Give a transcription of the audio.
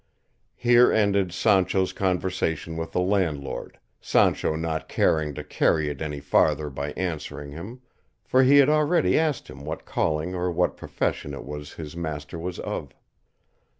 Here ended Sancho's conversation with the landlord, Sancho not caring to carry it any farther by answering him; for he had already asked him what calling or what profession it was his master was of.